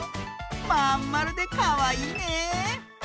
まんまるでかわいいね！